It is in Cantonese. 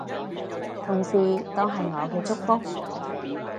同時當係我嘅祝福